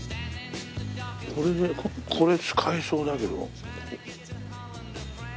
これでこれ使えそうだけど。